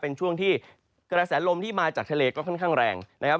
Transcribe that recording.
เป็นช่วงที่กระแสลมที่มาจากทะเลก็ค่อนข้างแรงนะครับ